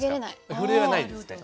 震えはないですね。